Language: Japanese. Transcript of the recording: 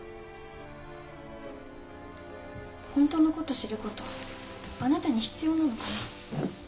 ホントのこと知ることあなたに必要なのかな？